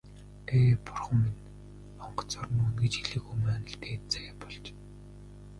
Ээ, бурхан минь, онгоцоор нүүнэ гэж хэлээгүй маань л дээд заяа болж.